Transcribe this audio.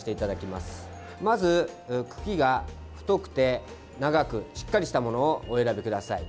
まず、茎が太くて長くしっかりしたものをお選びください。